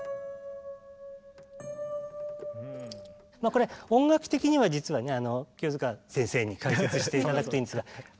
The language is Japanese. これ音楽的には実はね清塚先生に解説して頂くといいんですが。